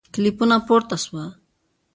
کلیپونه پورته سوه